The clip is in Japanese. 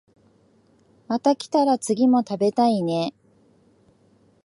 また来たら次も食べたいね